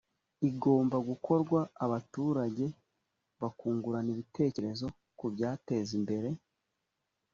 igomba gukorwa abaturage bakungurana ibitekerezo ku byabateza imbere